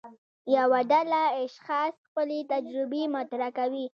یوه ډله اشخاص خپلې تجربې مطرح کوي.